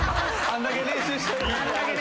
あんだけ練習してたのに。